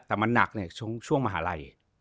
แต่มันหนักเนี่ยช่วงมหาลัย